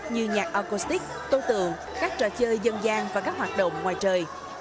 như nhạc acoustic tô tường các trò chơi dân gian và các hoạt động ngoài trời